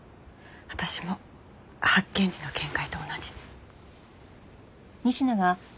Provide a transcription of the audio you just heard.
私も発見時の見解と同じ。